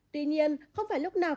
tuy nhiên không phải lúc nào